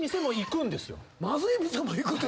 「まずい店も行く」って。